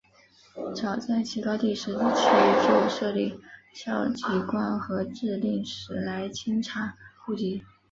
早在齐高帝时期就设立校籍官和置令史来清查户籍。